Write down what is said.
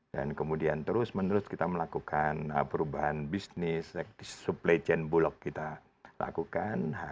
dan kemudian terus menerus kita melakukan perubahan bisnis supply chain bulog kita lakukan